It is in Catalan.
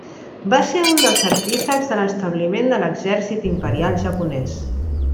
Va ser un dels artífexs de l'establiment de l'exèrcit imperial japonès.